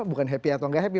bukan happy atau gak happy